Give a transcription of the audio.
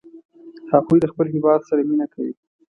هغوی له خپل هیواد سره مینه کوي